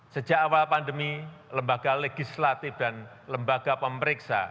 sejak awal pandemi lembaga legislatif dan lembaga pemeriksa